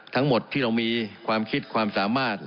ทั้งหมดที่เรามีความคิดความสามารถ